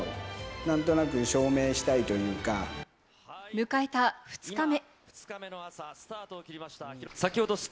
迎えた２日目。